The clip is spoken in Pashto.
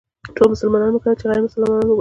ټول مسلمانان مکلف دي چې غير مسلمانان وباسي.